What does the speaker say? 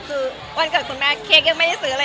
คือวันเกิดคุณแม่เค้กยังไม่ได้ซื้ออะไร